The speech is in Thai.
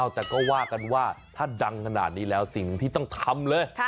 แต่ก็ว่ากันว่าถ้าดังขนาดนี้แล้วสิ่งที่ต้องทำเลย